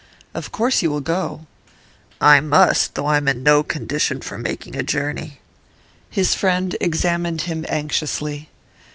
'Of course you will go?' 'I must. Though I'm in no condition for making a journey.' His friend examined him anxiously.